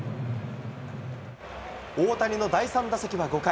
大谷の第３打席は５回。